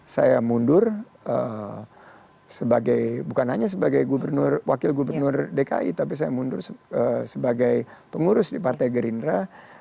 saya mundur bukan hanya sebagai wakil gubernur dki tapi saya mundur sebagai pengurus di partai gerindra